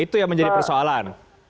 itu yang menjadi persoalan